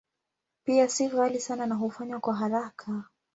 Pia si ghali sana na hufanywa kwa haraka.